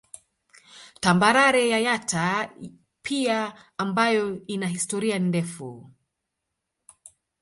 Tambarare ya Yatta pia ambayo ina historia ndefu